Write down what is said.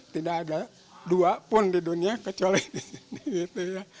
tidak ada dua pun di dunia kecuali di sini